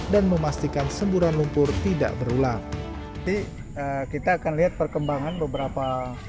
dan memastikan semburan lumpur tidak berulang di kita akan lihat perkembangan beberapa